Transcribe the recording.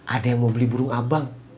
ada yang mau beli burung abang